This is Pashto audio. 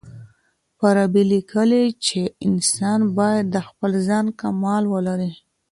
فارابي ليکي چي انسان بايد د خپل ځان کمال ولري.